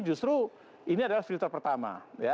justru ini adalah filter pertama